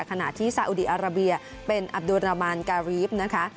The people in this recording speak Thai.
ขณะที่ซาอุดีอาราเบียเป็นอับดุรามันการีฟนะคะ